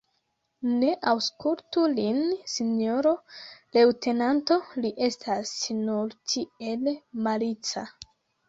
Ne aŭskultu lin, sinjoro leŭtenanto, li estas nur tiel malica.